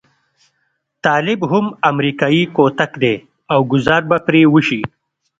طالب هم امريکايي کوتک دی او ګوزار به پرې وشي.